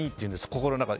心の中で。